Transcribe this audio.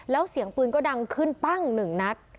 แล้วเสียงปืนก็ดังขึ้นปั้งหนึ่งนัด